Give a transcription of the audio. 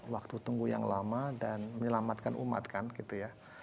waktu tunggu yang lama dan menyelamatkan umat kan gitu ya